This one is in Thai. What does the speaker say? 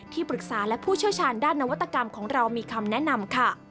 ปรึกษาและผู้เชี่ยวชาญด้านนวัตกรรมของเรามีคำแนะนำค่ะ